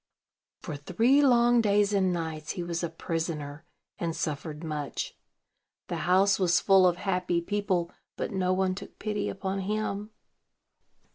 For three long days and nights he was a prisoner, and suffered much. The house was full of happy people, but no one took pity upon him.